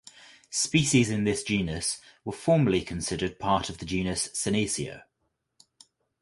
Species in this genus were formerly considered part of the genus "Senecio".